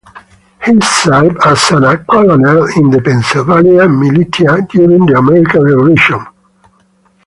He served as a colonel in the Pennsylvania militia during the American Revolution.